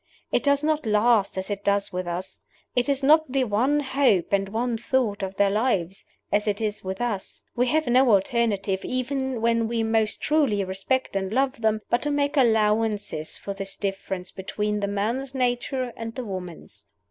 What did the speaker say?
It does not last as it does with us. It is not the one hope and one thought of their lives, as it is with us. We have no alternative, even when we most truly respect and love them, but to make allowance for this difference between the man's nature and the woman's.